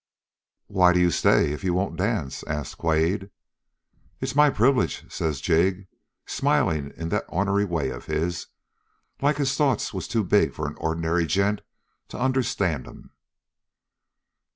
"'Why do you stay if you won't dance?' asks Quade. "'It is my privilege,' says Jig, smiling in that ornery way of his, like his thoughts was too big for an ordinary gent to understand 'em.